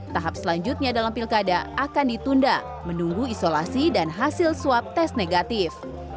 tahap selanjutnya dalam pilkada akan ditunda menunggu isolasi dan hasil swab tes negatif